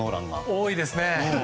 多いですね。